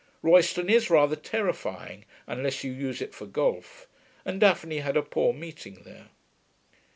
Royston is rather terrifying, unless you use it for golf, and Daphne had a poor meeting there.